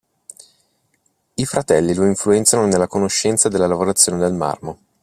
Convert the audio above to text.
I fratelli lo influenzano nella conoscenza della lavorazione del marmo.